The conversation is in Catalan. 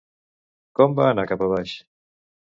Com va anar cap a baix?